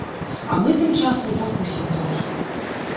А мы тым часам закусім трохі.